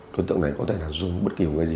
đối tượng này có thể là dung bất kỳ một cái gì